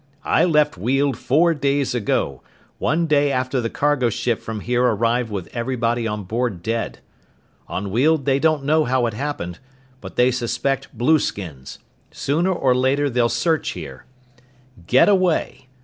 "I left Weald four days ago, one day after the cargo ship from here arrived with everybody on board dead. On Weald they don't know how it happened, but they suspect blueskins. Sooner or later they'll search here. "Get away!